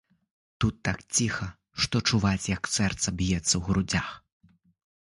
Тут так ціха, што чуваць, як сэрца б'ецца ў грудзях.